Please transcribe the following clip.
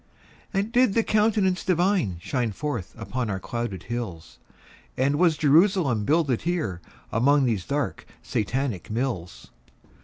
And did the Countenance Divine Shine forth upon our clouded hills? And was Jerusalem builded here Among these dark Satanic mills?